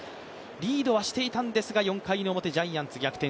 リードはしていたんですが４回表、ジャイアンツ逆転。